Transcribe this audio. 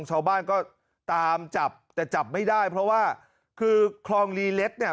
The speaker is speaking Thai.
ชาวบ้านก็ตามจับแต่จับไม่ได้เพราะว่าคือคลองลีเล็กเนี่ย